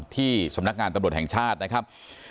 ที่สำนักงานตำรวจแห่งชาตินะครับ